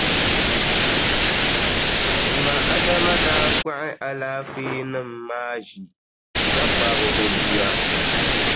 M ma Adama daa kpuɣi alaafeenima maa ʒi ka kpabi o bia.